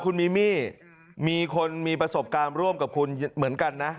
คุณมีมี่มีคนมีประสบการณ์ร่วมกับคุณเหมือนกันนะ